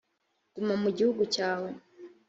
guma mu gihugu cyawe